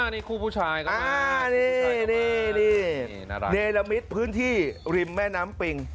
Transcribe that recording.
นี่คู่ผู้ชายก็เป็นนี่นี่นี่นี่เนรมมิตรพื้นที่ริมแม่น้ำปิง